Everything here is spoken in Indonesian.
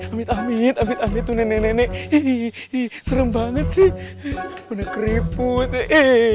amit amit amit amit tuh nenek nenek serem banget sih udah keriput eh